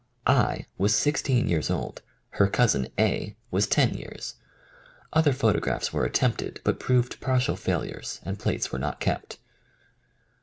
I. was sixteen years old; her cousin A. was ten years. Other photographs were at tempted but proved partial failures, and plates were not kept.